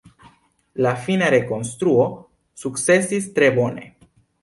La fina rekonstruo sukcesis tre bone.